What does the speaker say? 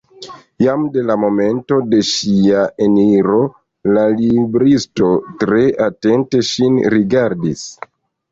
Jam de la momento de ŝia eniro la libristo tre atente ŝin rigardis.